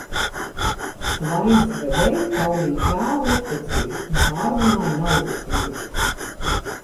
"Svainis Vedējs "baudīja tēva uzticību" un pārzināja naudas lietas."